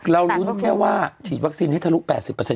เรารุ้นแค่ว่าฉีดวัคซีนให้ทะลุ๘๐